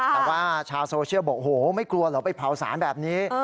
แต่ว่าชาวโซเชียลบอกโหไม่กลัวเหรอไปเผาสารแบบนี้